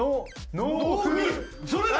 それだ！